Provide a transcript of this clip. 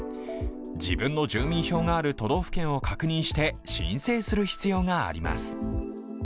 自分の住民票がある都道府県を確認して申請する必要があります。